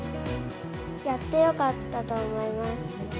やってよかったと思います。